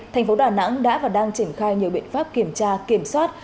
thành phố đà nẵng đã và đang triển khai nhiều biện pháp kiểm tra kiểm soát